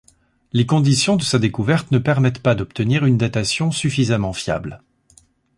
Les conditions de sa découverte ne permettent pas d'obtenir une datation suffisamment fiable.